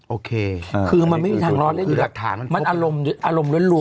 โอเคคือมันไม่มีทางล้อเล่นอยู่หลักฐานมันอารมณ์อารมณ์ล้วน